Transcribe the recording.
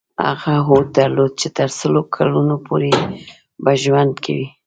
هغه هوډ درلود چې تر سلو کلونو پورې به ژوند کوي.